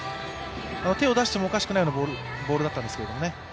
手を出してもおかしくないようなボールだったんですけどね。